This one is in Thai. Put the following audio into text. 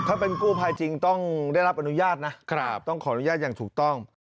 ถ้าเป็นกู้ภัยจริงต้องได้รับอนุญาตนะต้องขออนุญาตอย่างถูกต้อง